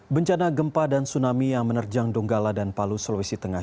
bencana gempa dan tsunami yang menerjang donggala dan palu sulawesi tengah